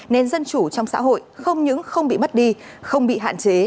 nên dân chủ trong xã hội không những không bị mất đi không bị hạn chế